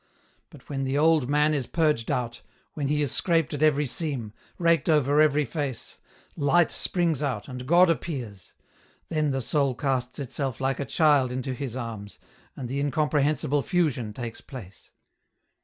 But when the old man is purged out, when he is scraped at every seam, raked over every face, light springs out, and God appears. Then the soul casts itself like a child into His arms, and the incomprehensible fusion takes place.